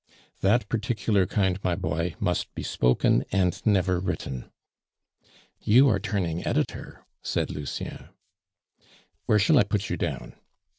"That particular kind, my boy, must be spoken, and never written." "You are turning editor," said Lucien. "Where shall I put you down?"